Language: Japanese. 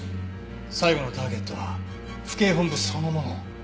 最後のターゲットは府警本部そのもの。